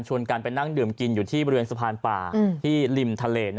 กันไปนั่งดื่มกินอยู่ที่บริเวณสะพานป่าที่ริมทะเล